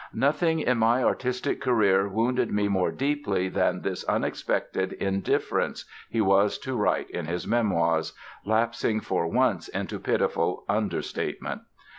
"Nothing in my artistic career wounded me more deeply than this unexpected indifference", he was to write in his Memoirs—lapsing, for once, into pitiful understatement!